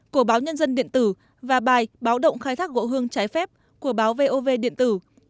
của báo nhân dân điện tử và bài báo động khai thác gỗ hương trái phép của báo vov điện tử